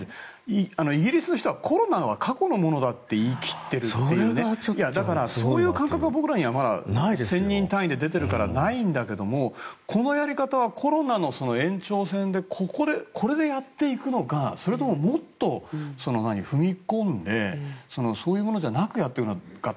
イギリスの人はコロナは過去のものだと言い切っているというそういう感覚は僕らには１０００人単位で出てるから僕らはまだないんだけどコロナの延長戦でこれでやっていくのかそれとも、もっと踏み込んでそういうものじゃなくやっていくのか。